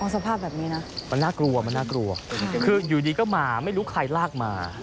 สภาพแบบนี้นะมันน่ากลัวมันน่ากลัวคืออยู่ดีก็มาไม่รู้ใครลากมา